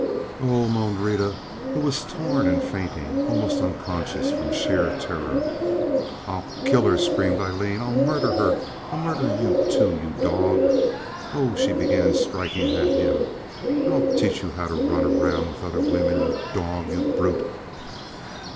"Oh," moaned Rita, who was torn and fainting, almost unconscious from sheer terror. "I'll kill her!" screamed Aileen. "I'll murder her! I'll murder you too, you dog! Oh"—she began striking at him—"I'll teach you how to run around with other women, you dog, you brute!"